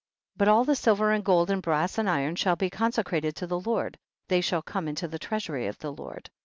20. But all the silver and gold and brass and iron shall be conse crated to the Lord, they shall come into the treasury of the Lord.